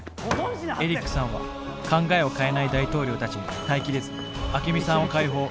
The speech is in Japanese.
エリックさんは考えを変えない大統領たちに耐えきれずアケミさんを解放。